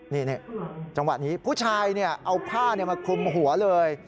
นี่จังหวะนี้ผู้ชายเอาผ้ามาคลุมหัวเลย